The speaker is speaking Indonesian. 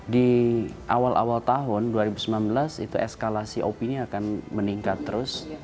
di awal awal tahun dua ribu sembilan belas itu eskalasi opini akan meningkat terus